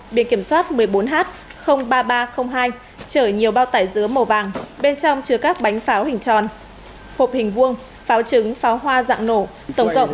biển kiểm soát một mươi bốn h ba nghìn ba trăm linh hai chở nhiều bao tải dứa màu vàng bên trong chứa các bánh pháo hình tròn hộp hình vuông pháo trứng pháo hoa dạng nổ tổng cộng ba trăm một mươi hai kg